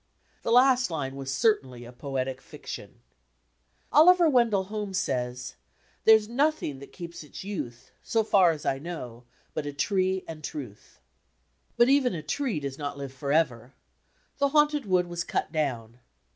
The last line was certainly a poetic fiction. Oliver Wendell Holmes says: "There's nothing that keeps its youth. So far as I know, but a tree and truth." But even a tree does not live forever. The Haunted Wood was cut down.